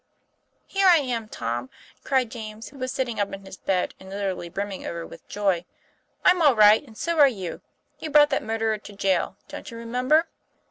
"Here I am, Tom," cried James, who was sitting np in his bed and literally brimming over with joy. "I'm all right, and so are you. You brought that murderer to jail. Don't you remember?"